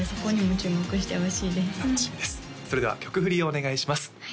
それでは曲振りをお願いします